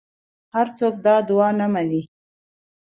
هر څوک دا ادعا نه مني